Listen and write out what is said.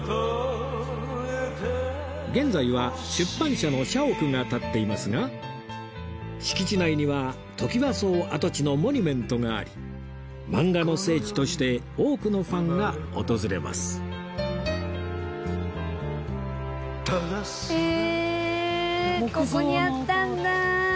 現在は出版社の社屋が立っていますが敷地内にはトキワ荘跡地のモニュメントがありマンガの聖地として多くのファンが訪れますへえここにあったんだ。